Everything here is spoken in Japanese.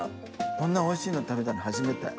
こんなおいしいの食べたの初めて。